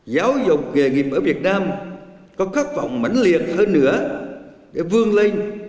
giáo dục nghề nghiệp ở việt nam có khát vọng mạnh liệt hơn nữa